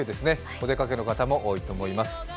お出かけの方も多いと思います。